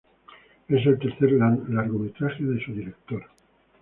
Es el tercer largometraje de su director.